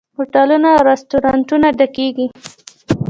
هوټلونه او رستورانتونه ډکیږي.